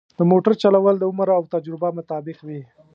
د موټر چلول د عمر او تجربه مطابق وي.